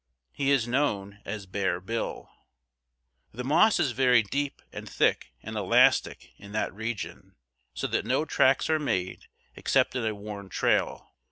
He is known as Bear Bill. The moss is very deep and thick and elastic in that region, so that no tracks are made except in a worn trail.